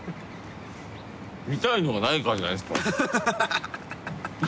見たいのがないからじゃないですか？